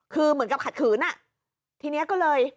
คือเหมือนกับขัดขืนอ่ะทีนี้ก็เลย